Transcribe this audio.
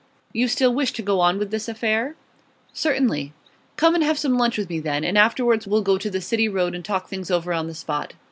'You still wish to go on with this affair?' 'Certainly.' 'Come and have some lunch with me, then, and afterwards we'll go to the City Road and talk things over on the spot.